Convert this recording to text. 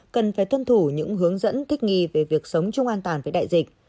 cần phải tuân thủ những hướng dẫn thích nghi về việc sống chung an toàn với đại dịch